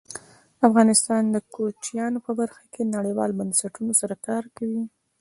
افغانستان د کوچیان په برخه کې نړیوالو بنسټونو سره کار کوي.